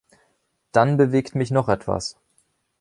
Dann bewegt mich noch etwas.